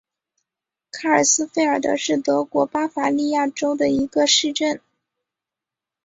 卡尔斯费尔德是德国巴伐利亚州的一个市镇。